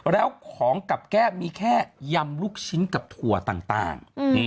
แล้วของกับแก้มมีแค่ยำลูกชิ้นกับถั่วต่าง